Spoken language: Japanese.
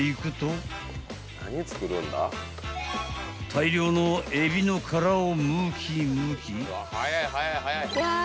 ［大量のエビの殻をむきむき］